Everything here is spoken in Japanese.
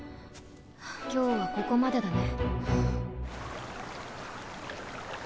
今日はここまでだね。